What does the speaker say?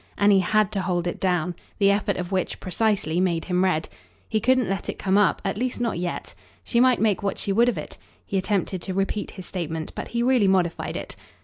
And he HAD to hold it down the effort of which, precisely, made him red. He couldn't let it come up; at least not yet. She might make what she would of it. He attempted to repeat his statement, but he really modified it.